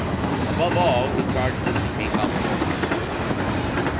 Above all, he charged him to take alforjas with him.